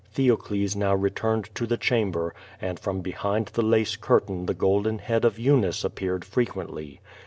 Theocles now returned to the chamber, .and from behind the lace curtain the golden head of Eunice appeared frequently.